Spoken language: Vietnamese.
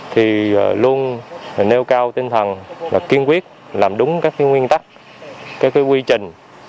thì luôn nêu cao tinh thần kiên quyết làm đúng các nguyên tắc các quy trình